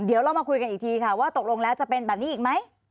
เดี๋ยวเรามาคุยกันอีกทีค่ะว่าตกลงแล้วจะเป็นแบบนี้อีกไหม